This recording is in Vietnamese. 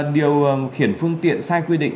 điều khiển phương tiện sai quy định